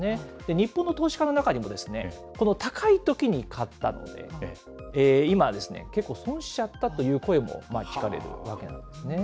日本の投資家の中にもですね、この高いときに買ったので、今、結構損しちゃったという声も聞かれるわけなんですね。